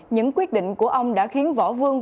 những quyết định của ông đã khiến võ vương